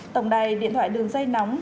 tổng đài điện thoại đường dây nóng